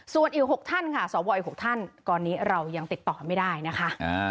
ส่วนอีก๖ท่านค่ะสวอีก๖ท่านตอนนี้เรายังติดต่อไม่ได้นะคะ